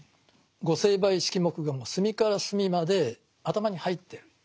「御成敗式目」がもう隅から隅まで頭に入ってる。